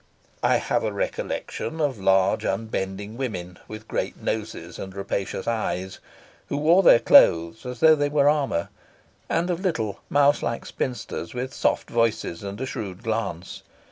I have a recollection of large, unbending women with great noses and rapacious eyes, who wore their clothes as though they were armour; and of little, mouse like spinsters, with soft voices and a shrewd glance.